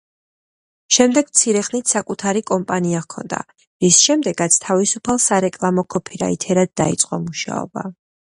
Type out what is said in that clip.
შემდეგ მცირე ხნით საკუთარი კომპანია ჰქონდა, რის შემდეგაც თავისუფალ სარეკლამო ქოფირაითერად დაიწყო მუშაობა.